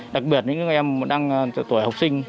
đặc biệt những em đang tuổi học sinh